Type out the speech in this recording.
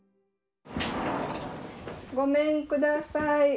ごめんください。